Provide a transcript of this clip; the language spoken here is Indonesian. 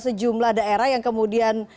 sejumlah daerah yang kemudian